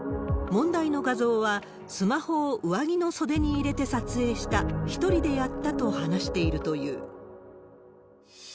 問題の画像はスマホを上着の袖に入れて撮影した、一人でやったと話しているという。